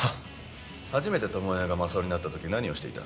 初めて巴がマサオになった時何をしていた？